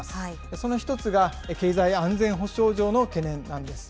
その１つが経済安全保障上の懸念なんです。